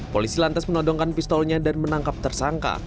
polisi lantas menodongkan pistolnya dan menangkap tersangka